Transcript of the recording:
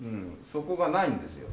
そこがないんですよ。